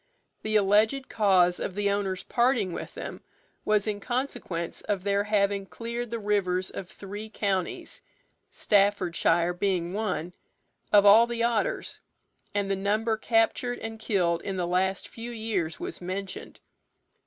The alleged cause of the owner's parting with them was in consequence of their having cleared the rivers of three counties (Staffordshire being one) of all the otters, and the number captured and killed in the last few years was mentioned.